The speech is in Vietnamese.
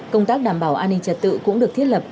công tác đảm bảo an ninh trật tự cũng được thiết lập